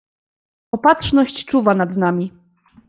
"Opatrzność czuwa nad nami."